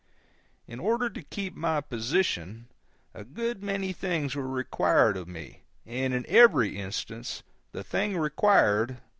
In order to keep my position, a good many things were required of me, and in every instance the thing required was against nature.